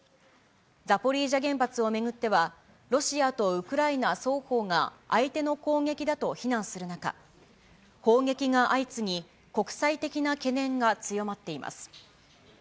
ザポリージャ原発を巡っては、ロシアとウクライナ双方が相手の攻撃だと非難する中、砲撃が相次ぎ、国際的な懸念が強まっています。